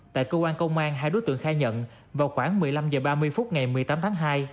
tại cơ quan công an hai đối tượng khai nhận vào khoảng một mươi năm h ba mươi phút ngày một mươi tám tháng hai